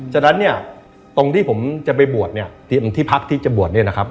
ฉะนั้นเนี่ยตรงที่ผมจะไปบวชเนี่ยที่พักที่จะบวชเนี่ยนะครับ